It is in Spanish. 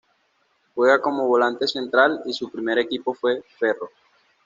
Juega como volante central y su primer equipo fue Ferro.